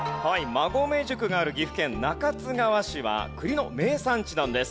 馬籠宿がある岐阜県中津川市は栗の名産地なんです。